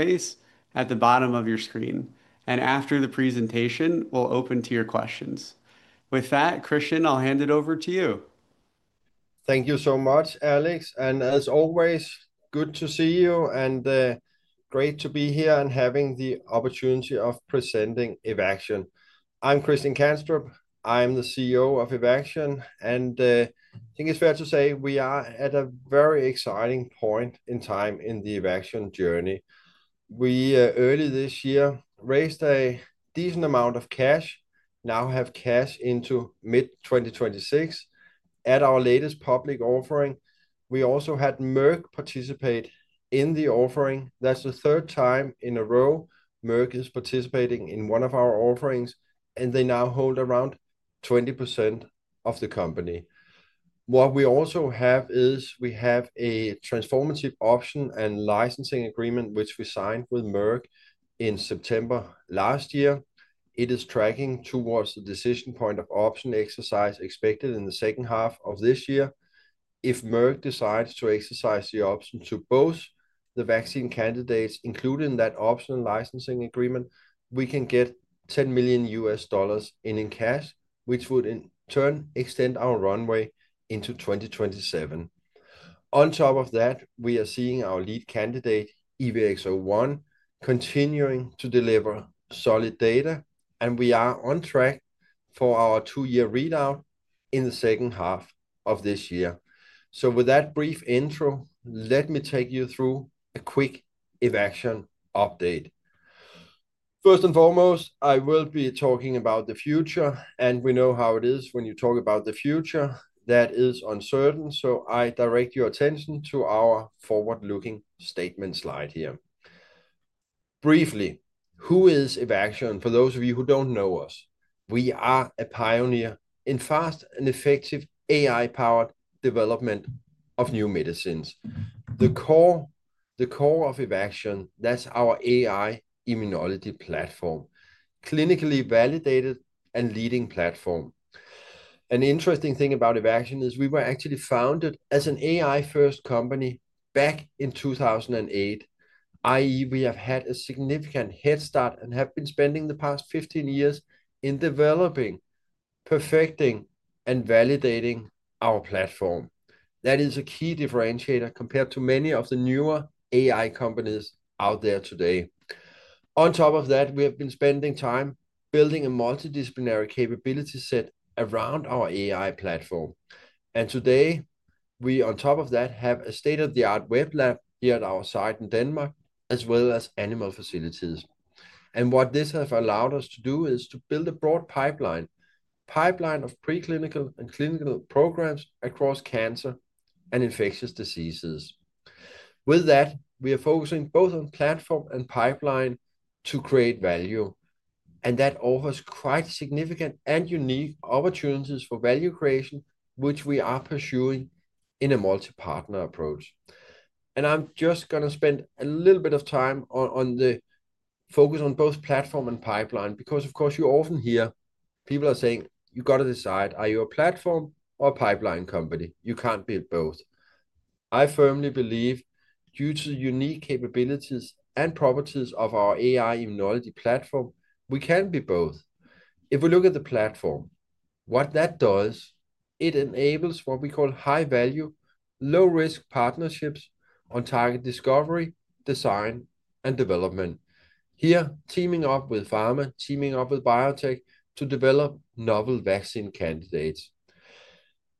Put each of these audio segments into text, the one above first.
Space at the bottom of your screen, and after the presentation, we'll open to your questions. With that, Christian, I'll hand it over to you. Thank you so much, Alex. As always, good to see you and great to be here and having the opportunity of presenting Evaxion. I'm Christian Kanstrup. I'm the CEO of Evaxion, and I think it's fair to say we are at a very exciting point in time in the Evaxion journey. We early this year raised a decent amount of cash, now have cash into mid-2026. At our latest public offering, we also had Merck participate in the offering. That's the third time in a row Merck is participating in one of our offerings, and they now hold around 20% of the company. What we also have is we have a transformative option and licensing agreement, which we signed with Merck in September last year. It is tracking towards the decision point of option exercise expected in the second half of this year. If Merck decides to exercise the option to both the vaccine candidates included in that optional licensing agreement, we can get $10 million in cash, which would in turn extend our runway into 2027. On top of that, we are seeing our lead candidate, EVX-01, continuing to deliver solid data, and we are on track for our two-year readout in the second half of this year. With that brief intro, let me take you through a quick Evaxion update. First and foremost, I will be talking about the future, and we know how it is when you talk about the future. That is uncertain. I direct your attention to our forward-looking statement slide here. Briefly, who is Evaxion? For those of you who do not know us, we are a pioneer in fast and effective AI-powered development of new medicines. The core of Evaxion, that's our AI-Immunology platform, clinically validated and leading platform. An interesting thing about Evaxion is we were actually founded as an AI-first company back in 2008, i.e., we have had a significant head start and have been spending the past 15 years in developing, perfecting, and validating our platform. That is a key differentiator compared to many of the newer AI companies out there today. On top of that, we have been spending time building a multidisciplinary capability set around our AI platform. Today, we, on top of that, have a state-of-the-art wet lab here at our site in Denmark, as well as animal facilities. What this has allowed us to do is to build a broad pipeline, pipeline of preclinical and clinical programs across cancer and infectious diseases. With that, we are focusing both on platform and pipeline to create value. That offers quite significant and unique opportunities for value creation, which we are pursuing in a multi-partner approach. I'm just going to spend a little bit of time on the focus on both platform and pipeline because, of course, you often hear people are saying, you got to decide, are you a platform or a pipeline company? You can't be both. I firmly believe due to the unique capabilities and properties of our AI-Immunology platform, we can be both. If we look at the platform, what that does, it enables what we call high-value, low-risk partnerships on target discovery, design, and development. Here, teaming up with pharma, teaming up with biotech to develop novel vaccine candidates.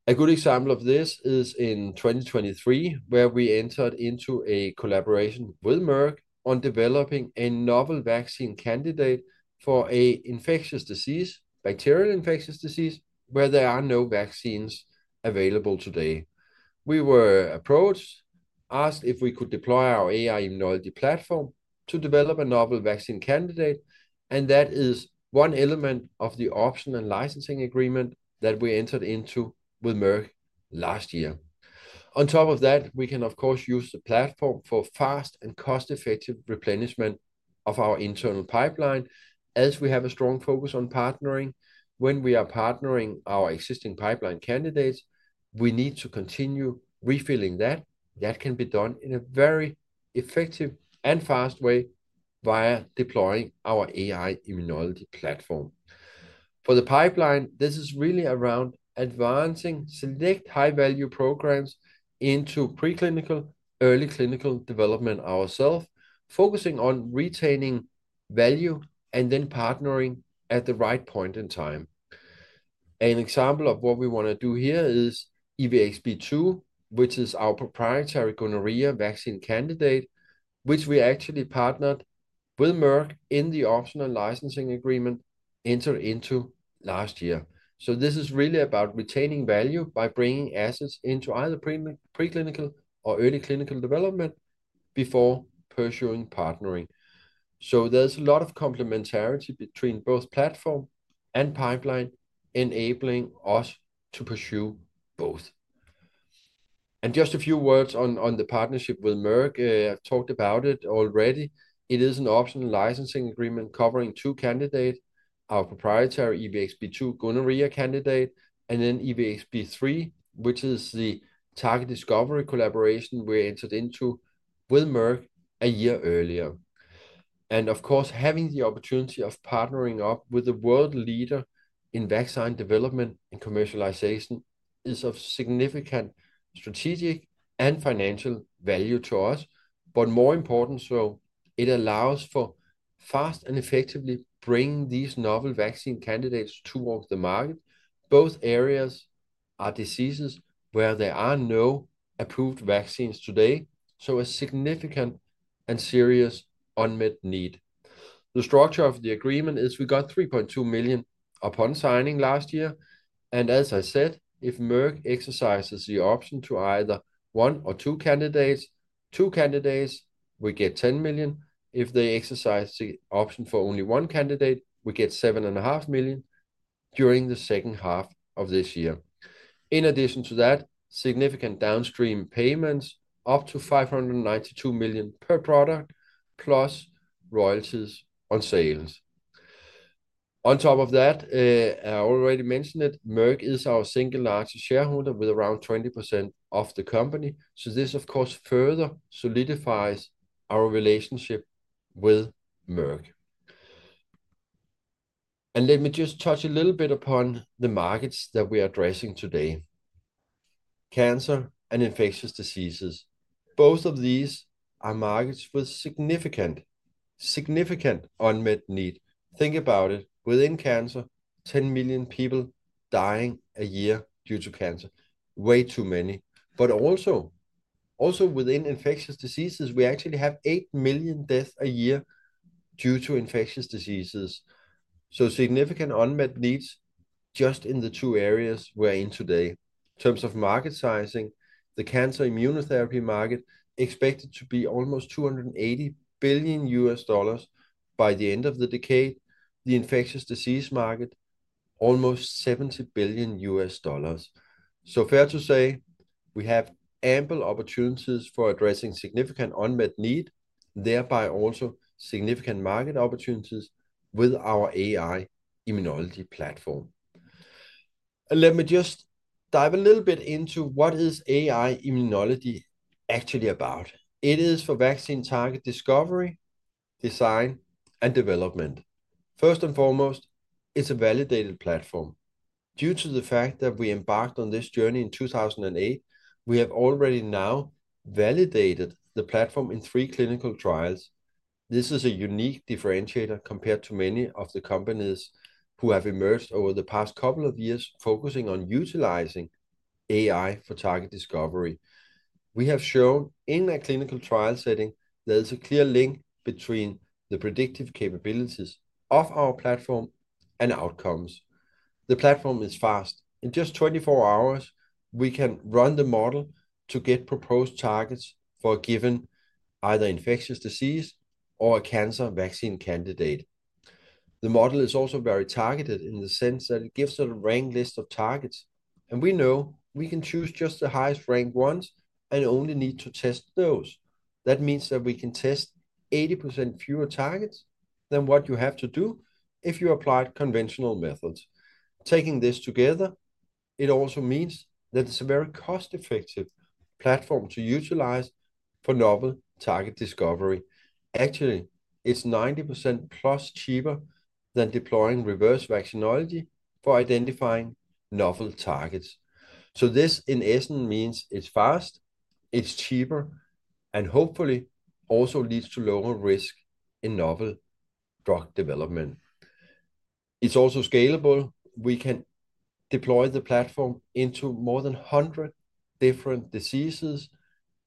A good example of this is in 2023, where we entered into a collaboration with Merck on developing a novel vaccine candidate for an infectious disease, bacterial infectious disease, where there are no vaccines available today. We were approached, asked if we could deploy our AI-Immunology platform to develop a novel vaccine candidate, and that is one element of the option and licensing agreement that we entered into with Merck last year. On top of that, we can, of course, use the platform for fast and cost-effective replenishment of our internal pipeline, as we have a strong focus on partnering. When we are partnering our existing pipeline candidates, we need to continue refilling that. That can be done in a very effective and fast way via deploying our AI-Immunology platform. For the pipeline, this is really around advancing select high-value programs into preclinical, early clinical development ourself, focusing on retaining value and then partnering at the right point in time. An example of what we want to do here is EVX-B2, which is our proprietary gonorrhea vaccine candidate, which we actually partnered with Merck in the optional licensing agreement entered into last year. This is really about retaining value by bringing assets into either preclinical or early clinical development before pursuing partnering. There is a lot of complementarity between both platform and pipeline, enabling us to pursue both. Just a few words on the partnership with Merck. I have talked about it already. It is an optional licensing agreement covering two candidates, our proprietary EVX-B2 gonorrhea candidate, and then EVX-B3, which is the target discovery collaboration we entered into with Merck a year earlier. Of course, having the opportunity of partnering up with the world leader in vaccine development and commercialization is of significant strategic and financial value to us, but more importantly, it allows for fast and effectively bringing these novel vaccine candidates towards the market. Both areas are diseases where there are no approved vaccines today, so a significant and serious unmet need. The structure of the agreement is we got $3.2 million upon signing last year. As I said, if Merck exercises the option to either one or two candidates, two candidates, we get $10 million. If they exercise the option for only one candidate, we get $7.5 million during the second half of this year. In addition to that, significant downstream payments up to $592 million per product, plus royalties on sales. On top of that, I already mentioned it, Merck is our single largest shareholder with around 20% of the company. This, of course, further solidifies our relationship with Merck. Let me just touch a little bit upon the markets that we are addressing today. Cancer and infectious diseases, both of these are markets with significant, significant unmet need. Think about it. Within cancer, 10 million people dying a year due to cancer. Way too many. Also within infectious diseases, we actually have 8 million deaths a year due to infectious diseases. Significant unmet needs just in the two areas we are in today. In terms of market sizing, the cancer immunotherapy market is expected to be almost $280 billion by the end of the decade. The infectious disease market, almost $70 billion. Fair to say we have ample opportunities for addressing significant unmet need, thereby also significant market opportunities with our AI-Immunology platform. Let me just dive a little bit into what is AI-Immunology actually about. It is for vaccine target discovery, design, and development. First and foremost, it's a validated platform. Due to the fact that we embarked on this journey in 2008, we have already now validated the platform in three clinical trials. This is a unique differentiator compared to many of the companies who have emerged over the past couple of years focusing on utilizing AI for target discovery. We have shown in a clinical trial setting there is a clear link between the predictive capabilities of our platform and outcomes. The platform is fast. In just 24 hours, we can run the model to get proposed targets for a given either infectious disease or a cancer vaccine candidate. The model is also very targeted in the sense that it gives a ranked list of targets, and we know we can choose just the highest ranked ones and only need to test those. That means that we can test 80% fewer targets than what you have to do if you applied conventional methods. Taking this together, it also means that it's a very cost-effective platform to utilize for novel target discovery. Actually, it's 90%+ cheaper than deploying reverse vaccinology for identifying novel targets. This in essence means it's fast, it's cheaper, and hopefully also leads to lower risk in novel drug development. It's also scalable. We can deploy the platform into more than 100 different diseases,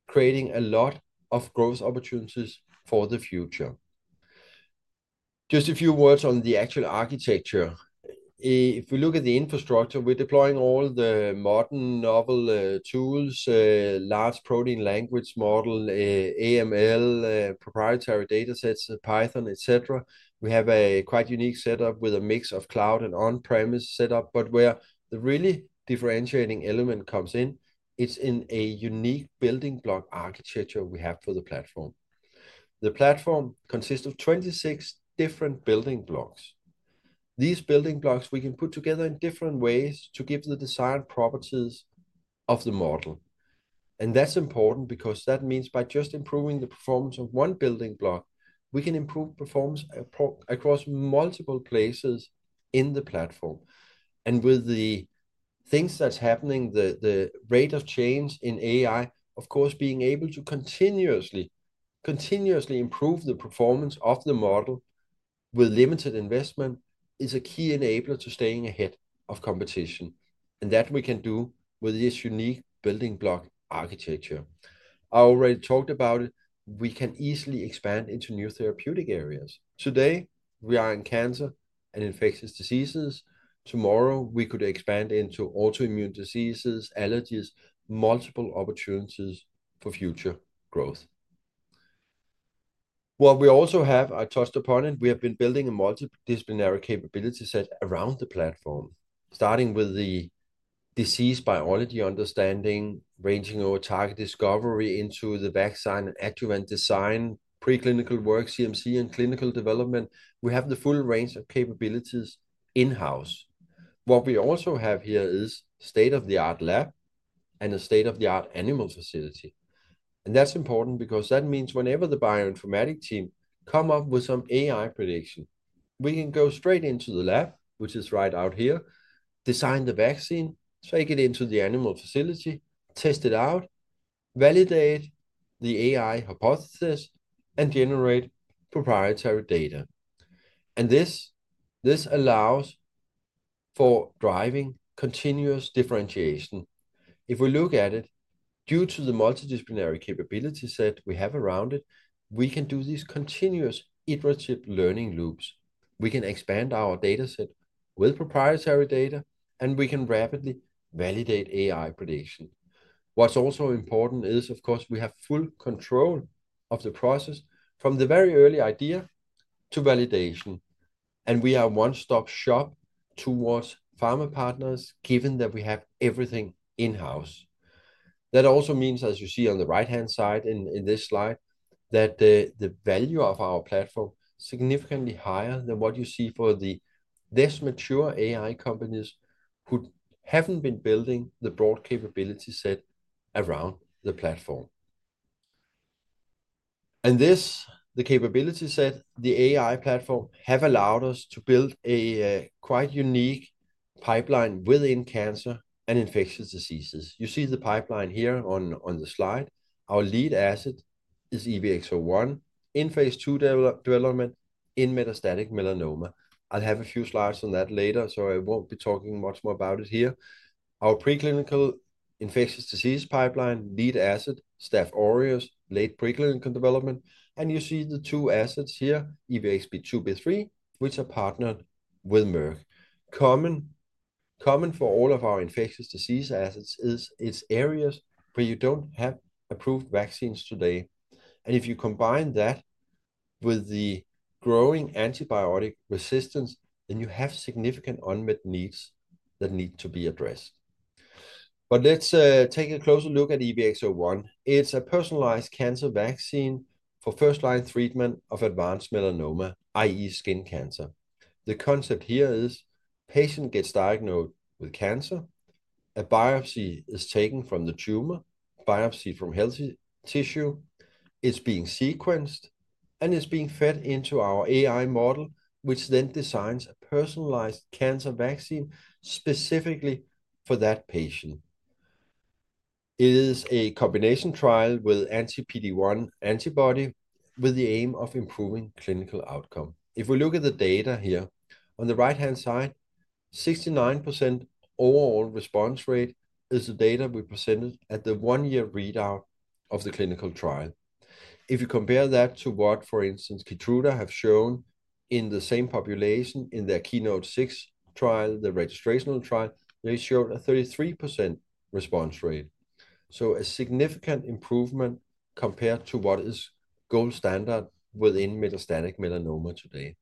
creating a lot of growth opportunities for the future. Just a few words on the actual architecture. If we look at the infrastructure, we're deploying all the modern novel tools, large protein language model, AML, proprietary data sets, Python, et cetera. We have a quite unique setup with a mix of cloud and on-premise setup, but where the really differentiating element comes in, it's in a unique building block architecture we have for the platform. The platform consists of 26 different building blocks. These building blocks we can put together in different ways to give the desired properties of the model. That's important because that means by just improving the performance of one building block, we can improve performance across multiple places in the platform. With the things that are happening, the rate of change in AI, of course, being able to continuously improve the performance of the model with limited investment is a key enabler to staying ahead of competition. That we can do with this unique building block architecture. I already talked about it. We can easily expand into new therapeutic areas. Today, we are in cancer and infectious diseases. Tomorrow, we could expand into autoimmune diseases, allergies, multiple opportunities for future growth. What we also have, I touched upon it, we have been building a multidisciplinary capability set around the platform, starting with the disease biology understanding, ranging over target discovery into the vaccine and adjuvant design, preclinical work, CMC, and clinical development. We have the full range of capabilities in-house. What we also have here is a state-of-the-art lab and a state-of-the-art animal facility. That is important because that means whenever the bioinformatic team comes up with some AI prediction, we can go straight into the lab, which is right out here, design the vaccine, take it into the animal facility, test it out, validate the AI hypothesis, and generate proprietary data. This allows for driving continuous differentiation. If we look at it, due to the multidisciplinary capability set we have around it, we can do these continuous iterative learning loops. We can expand our data set with proprietary data, and we can rapidly validate AI prediction. What is also important is, of course, we have full control of the process from the very early idea to validation. We are a one-stop shop towards pharma partners, given that we have everything in-house. That also means, as you see on the right-hand side in this slide, that the value of our platform is significantly higher than what you see for the less mature AI companies who have not been building the broad capability set around the platform. This, the capability set, the AI platform, has allowed us to build a quite unique pipeline within cancer and infectious diseases. You see the pipeline here on the slide. Our lead asset is EVX-01, in phase II development in metastatic melanoma. I will have a few slides on that later, so I will not be talking much more about it here. Our preclinical infectious disease pipeline, lead asset, Staph aureus, late preclinical development. You see the two assets here, EVX-B2, B3, which are partnered with Merck. Common for all of our infectious disease assets is its areas where you do not have approved vaccines today. If you combine that with the growing antibiotic resistance, then you have significant unmet needs that need to be addressed. Let's take a closer look at EVX-01. It is a personalized cancer vaccine for first-line treatment of advanced melanoma, i.e., skin cancer. The concept here is patient gets diagnosed with cancer, a biopsy is taken from the tumor, biopsy from healthy tissue, it is being sequenced, and it is being fed into our AI model, which then designs a personalized cancer vaccine specifically for that patient. It is a combination trial with anti-PD-1 antibody with the aim of improving clinical outcome. If we look at the data here, on the right-hand side, 69% overall response rate is the data we presented at the one-year readout of the clinical trial. If you compare that to what, for instance, Keytruda have shown in the same population in their keynote six trial, the registrational trial, they showed a 33% response rate. A significant improvement compared to what is gold standard within metastatic melanoma today.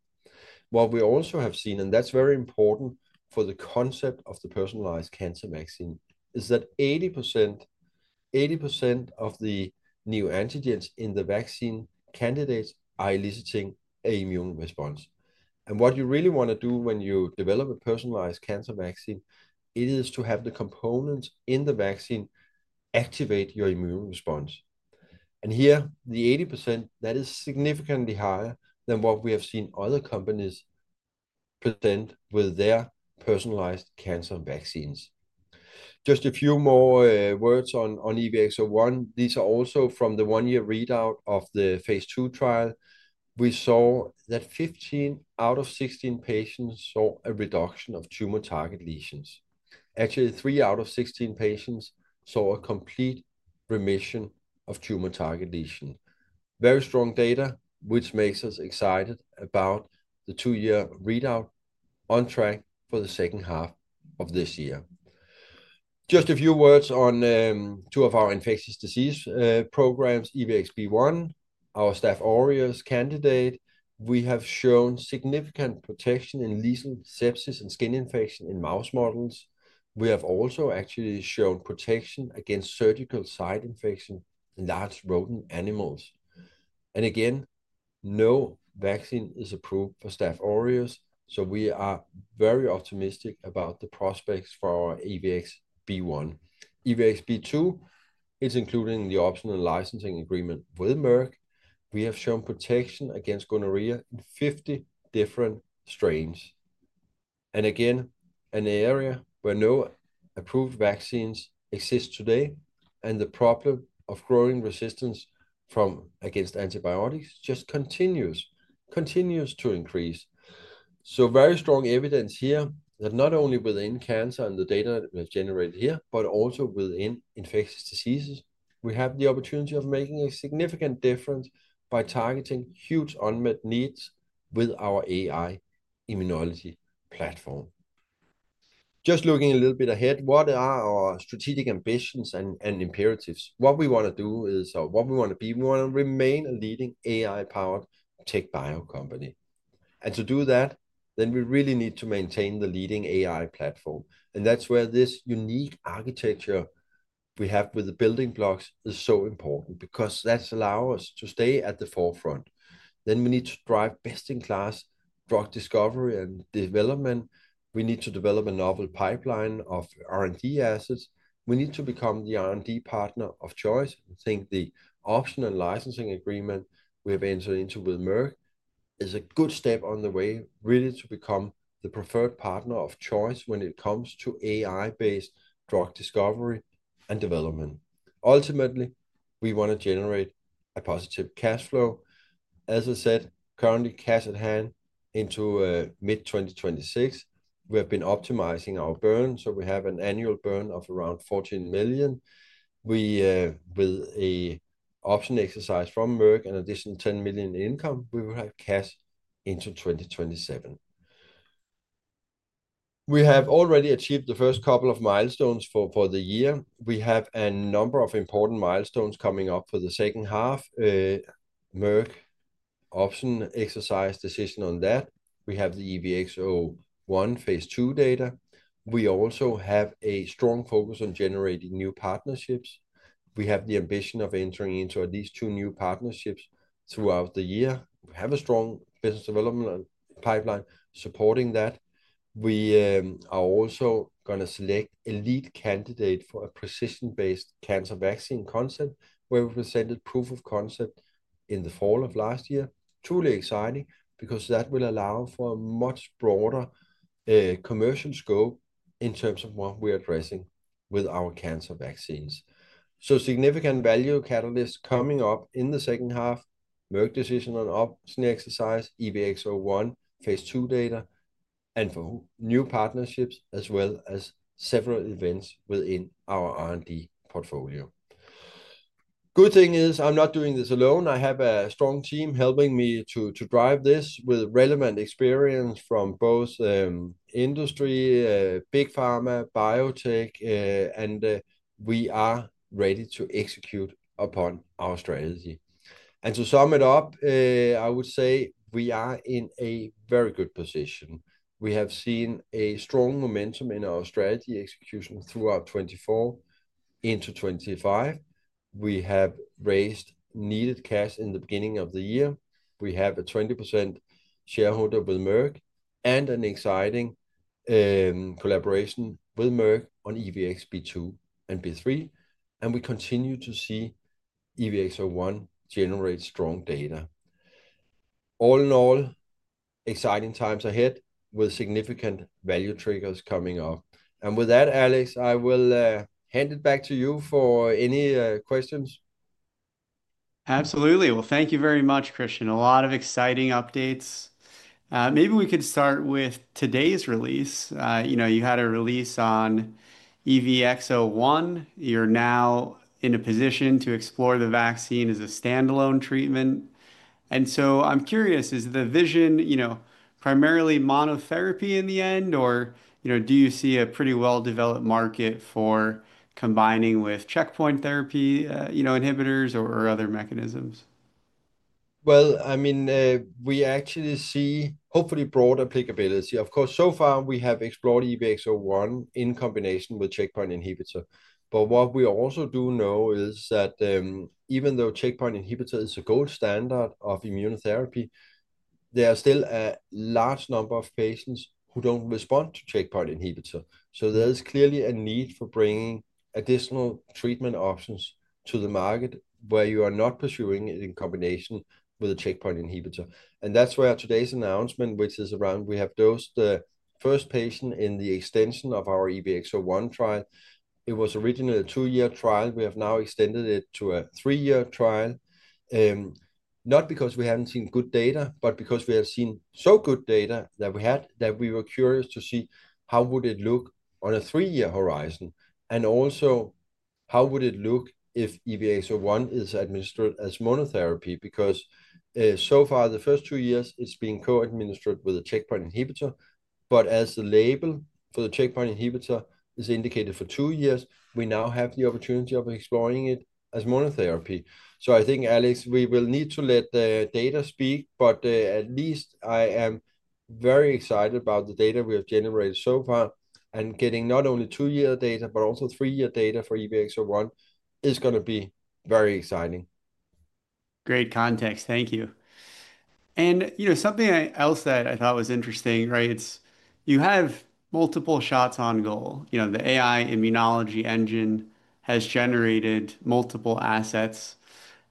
What we also have seen, and that's very important for the concept of the personalized cancer vaccine, is that 80% of the neoantigens in the vaccine candidates are eliciting an immune response. What you really want to do when you develop a personalized cancer vaccine, it is to have the components in the vaccine activate your immune response. Here, the 80%, that is significantly higher than what we have seen other companies present with their personalized cancer vaccines. Just a few more words on EVX-01. These are also from the one-year readout of the phase II trial. We saw that 15 out of 16 patients saw a reduction of tumor target lesions. Actually, three out of 16 patients saw a complete remission of tumor target lesion. Very strong data, which makes us excited about the two-year readout on track for the second half of this year. Just a few words on two of our infectious disease programs, EVX-01, our Staph aureus candidate. We have shown significant protection in lesion, sepsis, and skin infection in mouse models. We have also actually shown protection against surgical site infection in large rodent animals. No vaccine is approved for Staph aureus, so we are very optimistic about the prospects for our EVX-B1. EVX-B2 it's including the optional licensing agreement with Merck. We have shown protection against gonorrhea in 50 different strains. An area where no approved vaccines exist today, and the problem of growing resistance against antibiotics just continues to increase. Very strong evidence here that not only within cancer and the data we have generated here, but also within infectious diseases, we have the opportunity of making a significant difference by targeting huge unmet needs with our AI-Immunology platform. Just looking a little bit ahead, what are our strategic ambitions and imperatives? What we want to do is, or what we want to be, we want to remain a leading AI-powered tech bio company. To do that, we really need to maintain the leading AI platform. That is where this unique architecture we have with the building blocks is so important because that has allowed us to stay at the forefront. We need to drive best-in-class drug discovery and development. We need to develop a novel pipeline of R&D assets. We need to become the R&D partner of choice. I think the optional licensing agreement we have entered into with Merck is a good step on the way, really to become the preferred partner of choice when it comes to AI-based drug discovery and development. Ultimately, we want to generate a positive cash flow. As I said, currently cash at hand into mid-2026. We have been optimizing our burn, so we have an annual burn of around $14 million. With an option exercise from Merck and an additional $10 million in income, we will have cash into 2027. We have already achieved the first couple of milestones for the year. We have a number of important milestones coming up for the second half. Merck option exercise decision on that. We have the EVX-01 phase II data. We also have a strong focus on generating new partnerships. We have the ambition of entering into at least two new partnerships throughout the year. We have a strong business development pipeline supporting that. We are also going to select a lead candidate for a precision-based cancer vaccine concept where we presented proof of concept in the fall of last year. Truly exciting because that will allow for a much broader commercial scope in terms of what we're addressing with our cancer vaccines. Significant value catalysts coming up in the second half, Merck decision on option exercise, EVX-01 phase II data, and for new partnerships as well as several events within our R&D portfolio. Good thing is I'm not doing this alone. I have a strong team helping me to drive this with relevant experience from both industry, Big Pharma, biotech, and we are ready to execute upon our strategy. To sum it up, I would say we are in a very good position. We have seen strong momentum in our strategy execution throughout 2024 into 2025. We have raised needed cash in the beginning of the year. We have a 20% shareholder with Merck and an exciting collaboration with Merck on EVX-B2, and B3, and we continue to see EVX-01, generate strong data. All in all, exciting times ahead with significant value triggers coming up. With that, Alex, I will hand it back to you for any questions. Absolutely. Thank you very much, Christian. A lot of exciting updates. Maybe we could start with today's release. You know, you had a release on EVX-01. You're now in a position to explore the vaccine as a standalone treatment. And so I'm curious, is the vision, you know, primarily monotherapy in the end, or, you know, do you see a pretty well-developed market for combining with checkpoint therapy, you know, inhibitors or other mechanisms? I mean, we actually see hopefully broad applicability. Of course, so far we have explored EVX-01, in combination with checkpoint inhibitor. What we also do know is that even though checkpoint inhibitor is a gold standard of immunotherapy, there are still a large number of patients who don't respond to checkpoint inhibitor. There is clearly a need for bringing additional treatment options to the market where you are not pursuing it in combination with a checkpoint inhibitor. That is where today's announcement, which is around we have dosed the first patient in the extension of our EVX-01 trial. It was originally a two-year trial. We have now extended it to a three-year trial, not because we have not seen good data, but because we have seen so good data that we were curious to see how would it look on a three-year horizon. Also, how would it look if EVX-01 is administered as monotherapy? Because, so far the first two years it has been co-administered with a checkpoint inhibitor, but as the label for the checkpoint inhibitor is indicated for two years, we now have the opportunity of exploring it as monotherapy. I think, Alex, we will need to let the data speak, but at least I am very excited about the data we have generated so far and getting not only two-year data, but also three-year data for EVX-01 is going to be very exciting. Great context. Thank you. You know, something else that I thought was interesting, right? You have multiple shots on goal. You know, the AI-Immunology engine has generated multiple assets.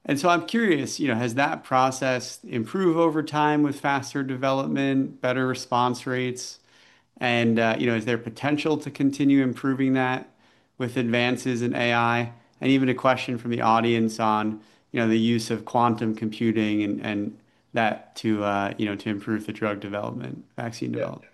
I'm curious, you know, has that process improved over time with faster development, better response rates? You know, is there potential to continue improving that with advances in AI? Even a question from the audience on the use of quantum computing and that to improve the drug development, vaccine development.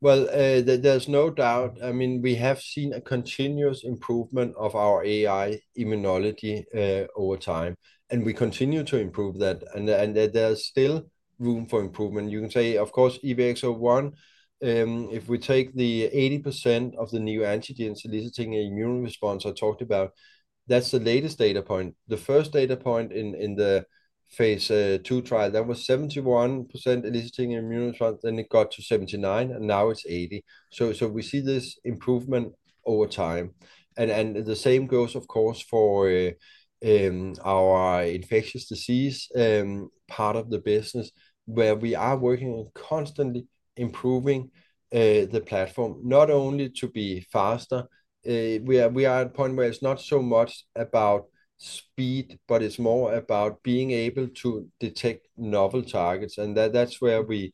There is no doubt. I mean, we have seen a continuous improvement of our AI-Immunology over time, and we continue to improve that. There is still room for improvement. You can say, of course, EVX-01, if we take the 80% of the new antigens eliciting an immune response I talked about, that's the latest data point. The first data point in the phase two trial, that was 71% eliciting an immune response, then it got to 79%, and now it's 80%. We see this improvement over time. The same goes, of course, for our infectious disease part of the business where we are working on constantly improving the platform, not only to be faster. We are at a point where it's not so much about speed, but it's more about being able to detect novel targets. That's where we,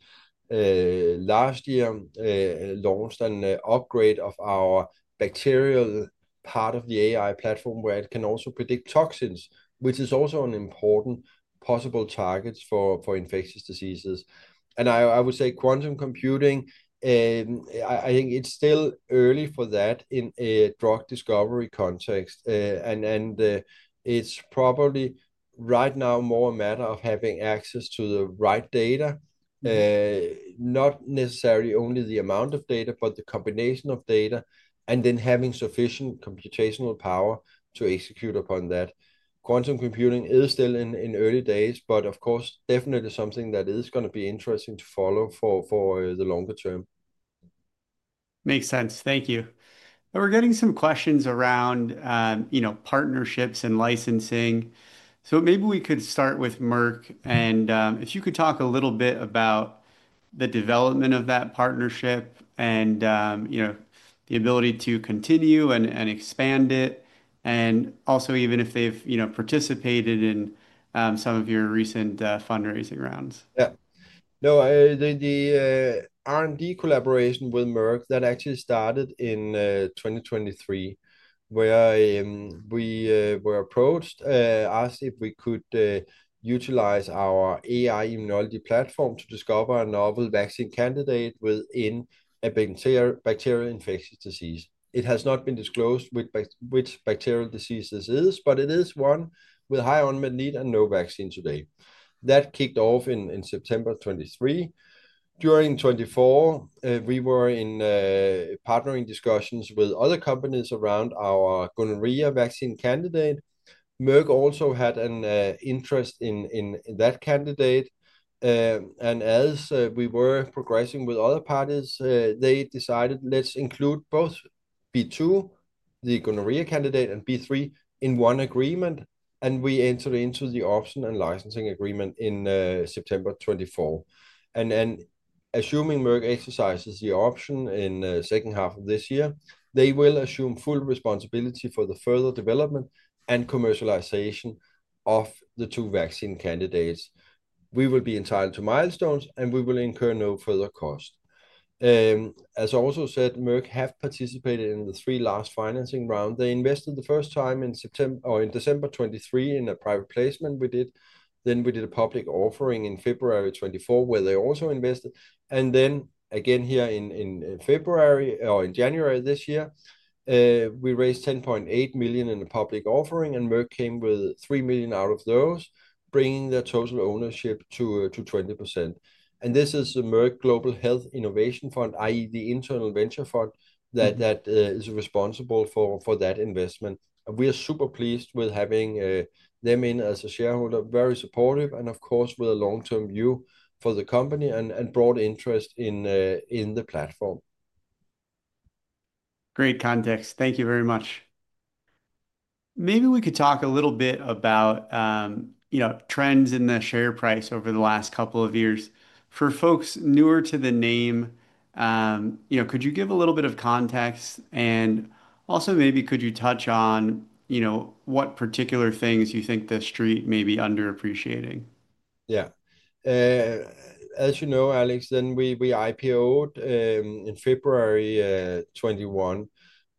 last year, launched an upgrade of our bacterial part of the AI platform where it can also predict toxins, which is also an important possible target for infectious diseases. I would say quantum computing, I think it's still early for that in a drug discovery context, and it's probably right now more a matter of having access to the right data, not necessarily only the amount of data, but the combination of data and then having sufficient computational power to execute upon that. Quantum computing is still in early days, but of course, definitely something that is going to be interesting to follow for the longer term. Makes sense. Thank you. We're getting some questions around, you know, partnerships and licensing. Maybe we could start with Merck and, if you could talk a little bit about the development of that partnership and, you know, the ability to continue and expand it and also even if they've, you know, participated in some of your recent fundraising rounds. Yeah. No, the R&D collaboration with Merck actually started in 2023 where we were approached, asked if we could utilize our AI-Immunology platform to discover a novel vaccine candidate within a bacterial infectious disease. It has not been disclosed which bacterial disease this is, but it is one with high unmet need and no vaccine today. That kicked off in September 2023. During 2024, we were in partnering discussions with other companies around our gonorrhea vaccine candidate. Merck also had an interest in that candidate. As we were progressing with other parties, they decided, let's include both B2, the gonorrhea candidate, and B3 in one agreement. We entered into the option and licensing agreement in September 2024. Assuming Merck exercises the option in the second half of this year, they will assume full responsibility for the further development and commercialization of the two vaccine candidates. We will be entitled to milestones and we will incur no further cost. As also said, Merck have participated in the three last financing rounds. They invested the first time in December 2023 in a private placement we did. We did a public offering in February 2024 where they also invested. Then again here in February or in January this year, we raised $10.8 million in a public offering and Merck came with $3 million out of those, bringing their total ownership to 20%. This is the Merck Global Health Innovation Fund, i.e. the internal venture fund that is responsible for that investment. We are super pleased with having them in as a shareholder, very supportive and of course with a long-term view for the company and broad interest in the platform. Great context. Thank you very much. Maybe we could talk a little bit about, you know, trends in the share price over the last couple of years. For folks newer to the name, you know, could you give a little bit of context and also maybe could you touch on, you know, what particular things you think the street may be underappreciating? Yeah. As you know, Alex, we IPO'd in February 2021,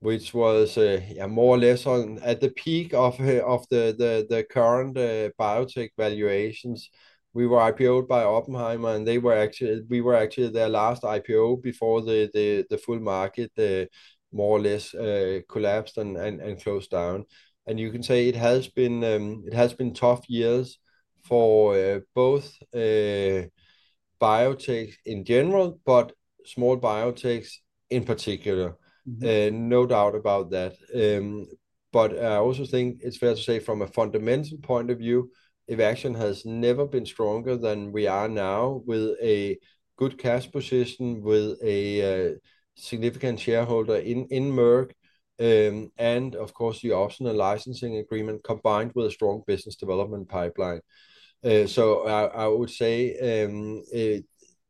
which was more or less at the peak of the current biotech valuations. We were IPO'd by Oppenheimer and they were actually, we were actually their last IPO before the full market more or less collapsed and closed down. You can say it has been tough years for both biotechs in general, but small biotechs in particular. No doubt about that. but I also think it's fair to say from a fundamental point of view, Evaxion has never been stronger than we are now with a good cash position, with a significant shareholder in Merck, and of course the optional licensing agreement combined with a strong business development pipeline. I would say,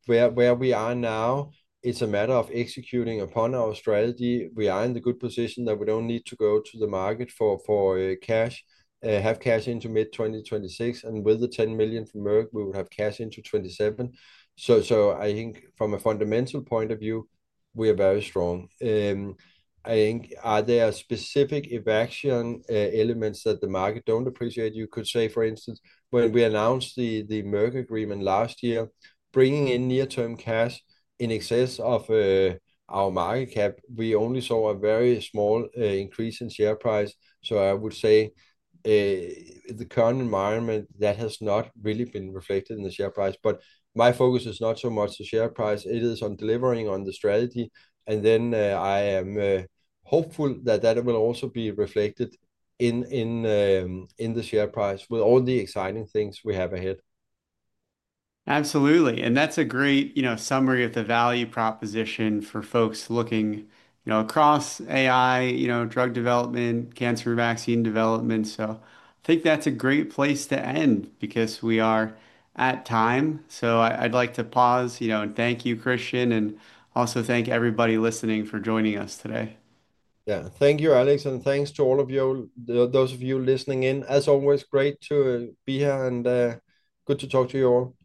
where we are now, it's a matter of executing upon our strategy. We are in the good position that we don't need to go to the market for cash, have cash into mid 2026. With the $10 million from Merck, we would have cash into 2027. I think from a fundamental point of view, we are very strong. I think are there specific Evaxion elements that the market don't appreciate? You could say, for instance, when we announced the Merck agreement last year, bringing in near-term cash in excess of our market cap, we only saw a very small increase in share price. I would say the current environment has not really been reflected in the share price, but my focus is not so much the share price. It is on delivering on the strategy. I am hopeful that that will also be reflected in the share price with all the exciting things we have ahead. Absolutely. That is a great, you know, summary of the value proposition for folks looking, you know, across AI, you know, drug development, cancer vaccine development. I think that is a great place to end because we are at time. I'd like to pause, you know, and thank you, Christian, and also thank everybody listening for joining us today. Yeah, thank you, Alex, and thanks to all of you, those of you listening in. As always, great to be here and good to talk to you all.